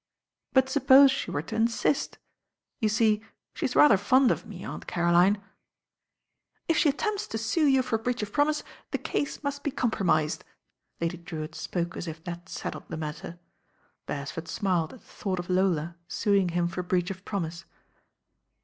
"But suppose she were to insist. You see, she's tather fond of me. Aunt Caroline." "If she attempts to sue you for breach of promise, the case must be compromised." Lady Drewitt spoke as if that settled the matter. Beresford smiled at the thought of Lola suing him for breach of promise.